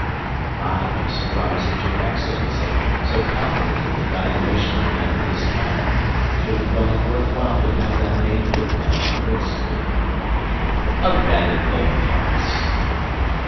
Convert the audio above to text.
"I am surprised that your Excellency, so competent in the valuation of men of his time, should have thought it worth while to have that name put down on the list." "A rabid Bonapartist."